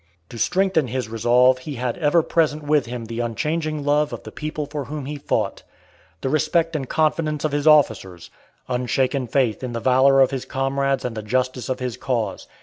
To strengthen his resolve he had ever present with him the unchanging love of the people for whom he fought; the respect and confidence of his officers; unshaken faith in the valor of his comrades and the justice of his cause.